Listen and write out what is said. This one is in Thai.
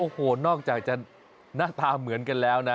โอ้โหนอกจากจะหน้าตาเหมือนกันแล้วนะ